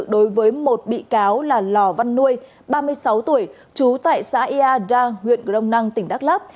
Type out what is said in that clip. đối với một bị cáo là lò văn nuôi ba mươi sáu tuổi trú tại xã ia dang huyện grong năng tỉnh đắk lắc